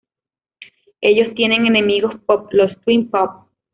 Ellos tienen enemigos pop, los "Twin Pop".